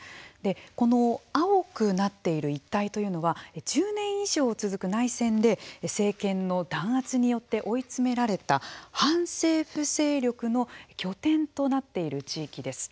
この青くなっている一帯というのは１０年以上続く内戦で政権の弾圧によって追い詰められた反政府勢力の拠点となっている地域です。